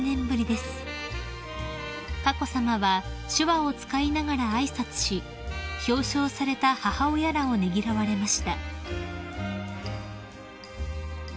［佳子さまは手話を使いながら挨拶し表彰された母親らをねぎらわれました］